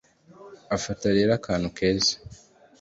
afata rero akantu keza